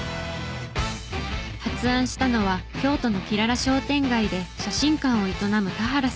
発案したのは京都のキララ商店街で写真館を営む田原さん。